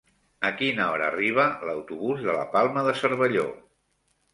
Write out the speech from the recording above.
A quina hora arriba l'autobús de la Palma de Cervelló?